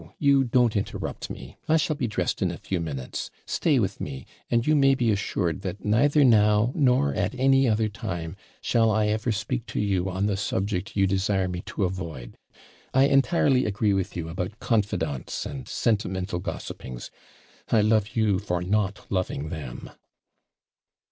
you don't interrupt me. I shall be dressed in a few minutes; stay with me, and you may be assured, that neither now, nor at any other time, shall I ever speak to you on the subject you desire me to avoid. I entirely agree with you about CONFIDANTES and sentimental gossipings. I love you for not loving them.'